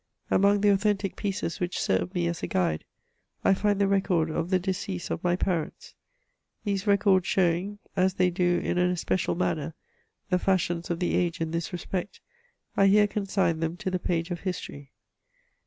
Among the authentic pieces which serve me as a guide, I find the record of the decease of my parents. These records showing, as they do in an especial manner, the fashions of the age in this respect, I here consign them to the page of history.